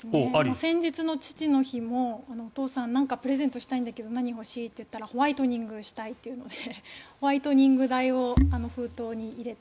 先日の父の日もお父さん何かプレゼントしたいんだけど何欲しい？って聞いたらホワイトニングしたいというのでホワイトニング代を封筒に入れて。